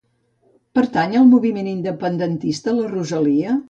Pertany al moviment independentista la Rosalia?